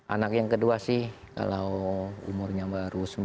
anak yang kedua sih kalau umurnya baru